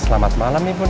selamat malam pak raymond